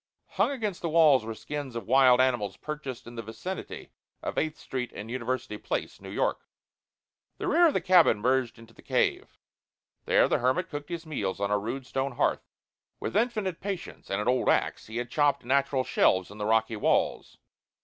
Hung against the walls were skins of wild animals purchased in the vicinity of Eighth Street and University Place, New York. The rear of the cabin merged into the cave. There the hermit cooked his meals on a rude stone hearth. With infinite patience and an old axe he had chopped natural shelves in the rocky walls.